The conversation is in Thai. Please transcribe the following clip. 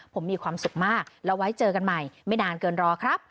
ผมมีความสุขมากแล้วไว้เจอกันใหม่ไม่นานเกินรอครับ